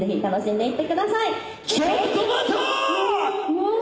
・うわ！